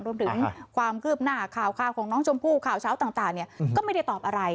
รวมถึงความคืบหน้าข่าวของน้องชมพู่ข่าวเช้าต่างก็ไม่ได้ตอบอะไร